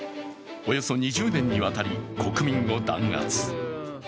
およそ２０年にわたり国民を弾圧。